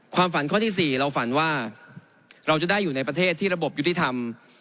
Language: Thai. ฝันข้อที่๔เราฝันว่าเราจะได้อยู่ในประเทศที่ระบบยุติธรรม